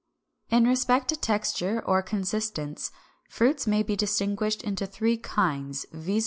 349. In respect to texture or consistence, fruits may be distinguished into three kinds, viz.